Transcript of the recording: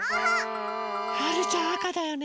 はるちゃんあかだよね。